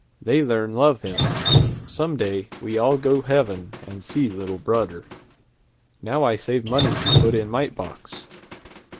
They learn love him. Some day we all go heaven and see little brudder! Now I save money to put in mite box.